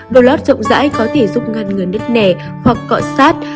đồ lót rộng rãi có thể giúp ngăn ngừa nứt nẻ hoặc cọ sát